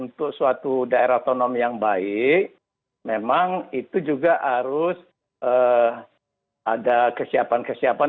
untuk suatu daerah otonom yang baik memang itu juga harus ada kesiapan kesiapan